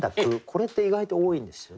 これって意外と多いんですよね。